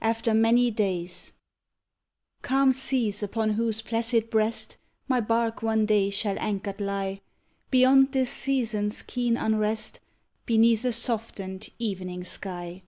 AFTER MANY DAYS Calm seas upon whose placid breast My barque one day shall anchored lie, Beyond this season's keen unrest, Beneath a softened evening sky!